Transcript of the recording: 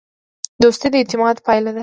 دوستي د اعتماد پایله ده.